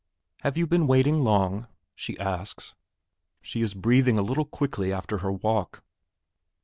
"Have you been waiting long?" she asks. She is breathing a little quickly after her walk.